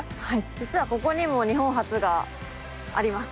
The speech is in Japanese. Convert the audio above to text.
実はここにも日本初があります。